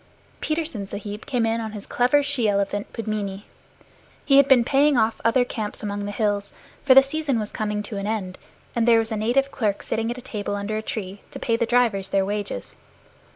Petersen Sahib came in on his clever she elephant Pudmini; he had been paying off other camps among the hills, for the season was coming to an end, and there was a native clerk sitting at a table under a tree, to pay the drivers their wages.